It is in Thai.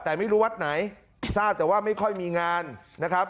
แต่ไม่รู้วัดไหนทราบแต่ว่าไม่ค่อยมีงานนะครับ